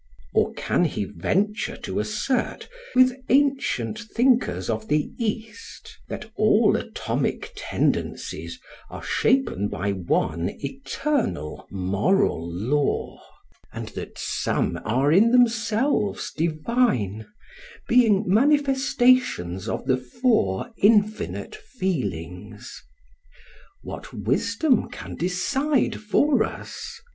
Or can he venture to assert, with ancient thinkers of the East, that all atomic tendencies are shapen by one eternal Digitized by Googk REVERY an moral law, and that some are in themselves divine, being manifestations of the Four Infinite Feel ings? ... What wisdom can decide for us?